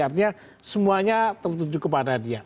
artinya semuanya tertuju kepada dia